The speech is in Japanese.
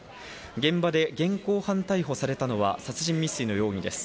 現場で現行犯逮捕されたのが殺人未遂の容疑です。